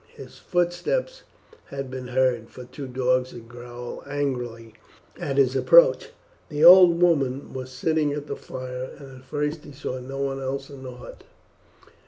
His footsteps had been heard, for two dogs had growled angrily at his approach. The old woman was sitting at the fire, and at first he saw no one else in the hut.